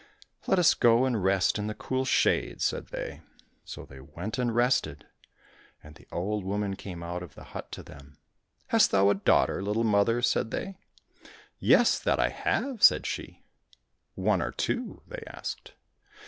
" Let us go and rest in the cool shade," said they. So they went and rested, and the old woman 153 COSSACK FAIRY TALES came out of the hut to them. —" Hast thou a daughter, little mother ?" said they. —" Yes, that I have," said she. —" One or two ?" they asked.